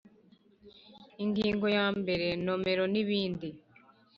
Ingingo ya mbere Nomero n ibindi